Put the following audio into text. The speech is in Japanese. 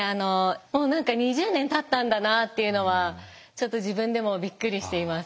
もう何か２０年たったんだなっていうのはちょっと自分でもびっくりしています。